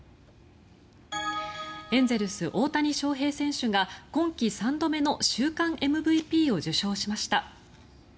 エンゼルス、大谷翔平選手が今季３度目の週間ＭＶＰを受賞しました。